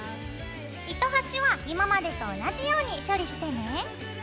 糸端は今までと同じように処理してね。